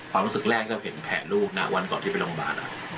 ความรู้สึกแรกก็เห็นแผลลูกนะวันก่อนที่ไปโรงพยาบาล